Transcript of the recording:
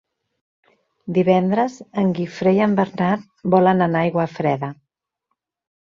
Divendres en Guifré i en Bernat volen anar a Aiguafreda.